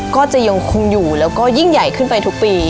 ก็จะยังคงอยู่แล้วก็ยิ่งใหญ่ขึ้นไปทุกปี